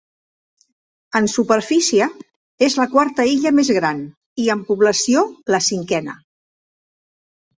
En superfície és la quarta illa més gran i en població la cinquena.